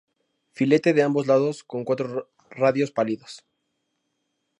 Filete de ambos lados con cuatro radios pálidos.